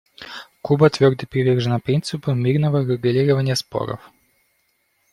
Куба твердо привержена принципу мирного урегулирования споров.